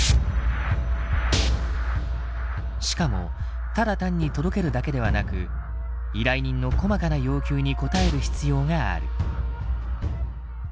しかもただ単に届けるだけではなく依頼人の細かな要求に応える必要がある。